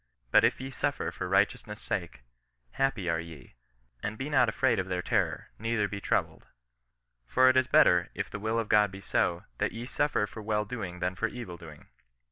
But if ye suffer for righteousness sake, happy are ye ; and be not afraid of their terror, neither be troubled." " For it is better, if the will of God be so, that ye suffer for well doing than for evil doing.